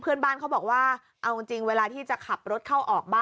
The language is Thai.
เพื่อนบ้านเขาบอกว่าเอาจริงเวลาที่จะขับรถเข้าออกบ้าน